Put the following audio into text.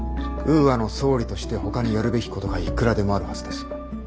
ウーアの総理としてほかにやるべきことがいくらでもあるはずです。